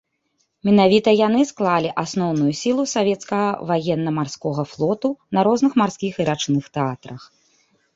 Менавіта яны складалі асноўную сілу савецкага ваенна-марскога флоту на розных марскіх і рачных тэатрах.